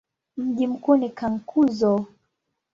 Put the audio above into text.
Mji mkuu ni Cankuzo.